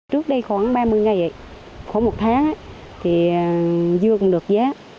trước đây khoảng ba mươi ngày khoảng một tháng dưa cũng được giá